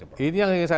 apa yang diperlukan